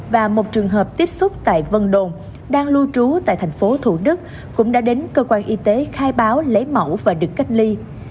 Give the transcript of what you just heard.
và một trường hợp tiếp xúc tại vân đồn đang lưu trú tại thành phố thủ đức cũng đã đến cơ quan y tế khai báo lấy mẫu và được cách ly